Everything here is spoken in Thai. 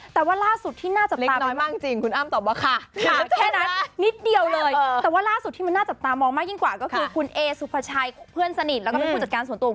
แต่ว่าลาสุดที่น่าจะตามีเล็กน้อยมากจริง